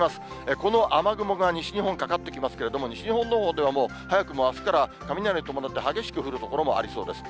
この雨雲が西日本、かかってきますけれども、西日本のほうではもう、早くもあすから雷を伴って、激しく降る所もありそうです。